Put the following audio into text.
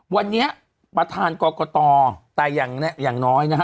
วันนี้ประธานกรกตแต่อย่างน้อยนะฮะ